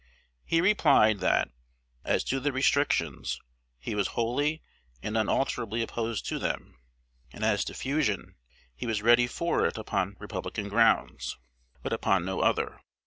He replied, that, as to the restrictions, he was wholly and unalterably opposed to them; and as to fusion, he was ready for it upon "Republican grounds," but upon no other.